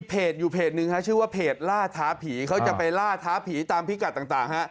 เพจอยู่เพจหนึ่งชื่อว่าเพจล่าท้าผีเขาจะไปล่าท้าผีตามพิกัดต่างฮะ